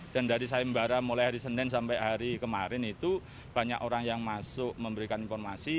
dan dari sayembara mulai hari senin sampai hari kemarin itu banyak orang yang masuk memberikan informasi